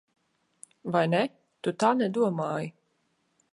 Vai ne? Tu tā nedomāji.